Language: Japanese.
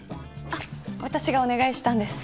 あっ私がお願いしたんです。